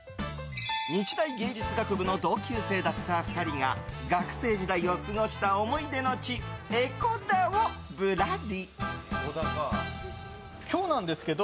日大芸術学部の同級生だった２人が学生時代を過ごした思い出の地・江古田をぶらり。